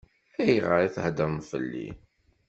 Ayɣer i theddṛem fell-i?